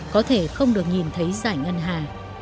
có thể không được nhìn thấy giải ngân hà